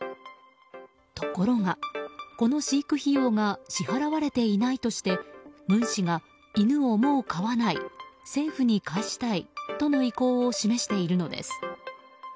ところが、この飼育費用が支払われていないとして文氏が犬をもう飼わない政府に返したいとの意向を示しているのです。